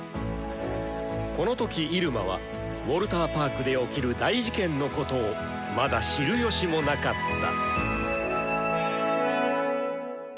この時入間はウォルターパークで起きる大事件のことをまだ知る由もなかった。